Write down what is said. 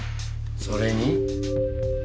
それに？